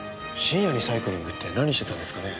深夜にサイクリングって何してたんですかね？